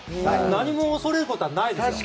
何も恐れることはないです。